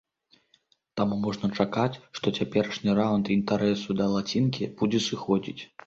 Таму можна чакаць, што цяперашні раўнд інтарэсу да лацінкі будзе сыходзіць.